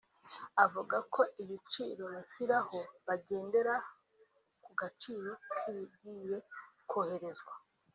avuga ko ibiciro bashyiraho bagendera ku gaciro k’ibigiye koherezwa